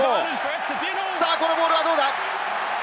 このボールはどうだ？